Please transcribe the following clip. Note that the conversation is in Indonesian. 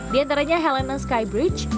diantaranya helena sky bridge